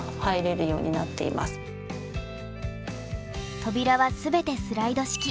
扉は全てスライド式。